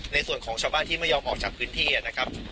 ในส่วนของชาวบ้านที่ไม่ยอมออกจากพื้นที่นะครับ